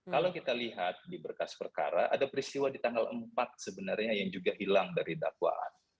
kalau kita lihat di berkas perkara ada peristiwa di tanggal empat sebenarnya yang juga hilang dari dakwaan